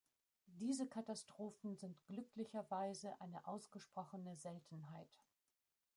Diese Katastrophen sind glücklicherweise eine ausgesprochene Seltenheit.